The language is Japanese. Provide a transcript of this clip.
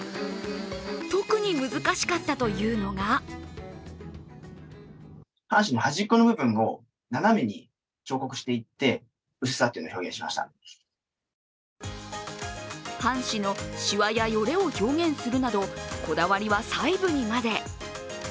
特に難しかったというのが半紙のしわやよれを表現するなどこだわりは細部にまで。